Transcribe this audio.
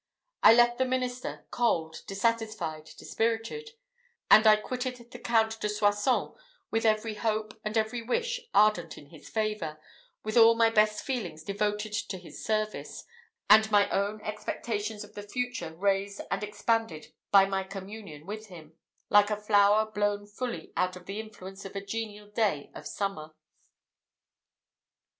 I left the minister, cold, dissatisfied, dispirited; and I quitted the Count de Soissons with every hope and every wish ardent in his favour; with all my best feelings devoted to his service, and my own expectations of the future raised and expanded by my communion with him, like a flower blown fully out by the influence of a genial day of summer.